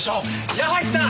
矢橋さん！